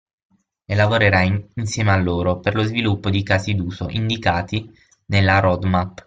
E lavorerà insieme a loro per lo sviluppo di casi d'uso indicati nella roadmap.